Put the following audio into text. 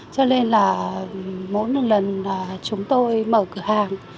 cho nên là mỗi lần chúng tôi mở cửa hàng